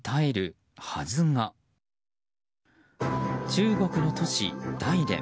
中国の都市・大連。